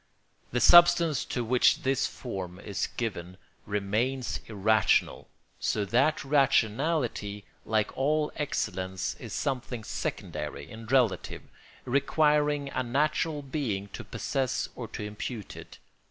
The substance to which this form is given remains irrational; so that rationality, like all excellence, is something secondary and relative, requiring a natural being to possess or to impute it.